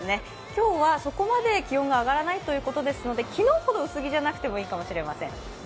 今日はそこまで気温が上がらないということですので昨日ほど薄着じゃなくてもいいかもしれません。